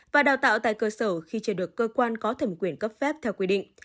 và đào tạo tại cơ sở khi chưa được cơ quan có thẩm quyền cấp phép theo quy định